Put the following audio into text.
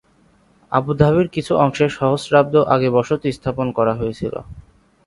আবুধাবির কিছু অংশে সহস্রাব্দ আগে বসতি স্থাপন করা হয়েছিল।